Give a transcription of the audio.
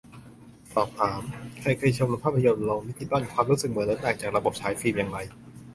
สอบถาม - ใครเคยชมภาพยนตร์โรงดิจิตอล ความรู้สึกเหมือนหรือต่างจากระบบฉายฟิล์มอย่างไร